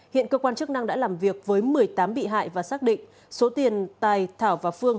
hiện cơ quan chức năng đã làm việc với một mươi tám bị hại và xác định số tiền tài thảo và phương